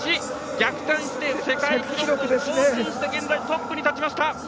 逆転して世界記録を更新して現在トップに立ちました！